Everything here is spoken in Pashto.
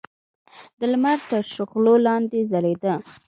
د لمر تر شغلو لاندې ځلېده.